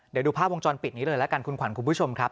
เดี๋ยวดูภาพวงจรปิดนี้เลยละกันคุณขวัญคุณผู้ชมครับ